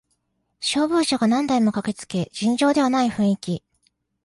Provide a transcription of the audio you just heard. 消防車が何台も駆けつけ尋常ではない雰囲気